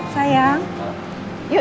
semuanya serang airport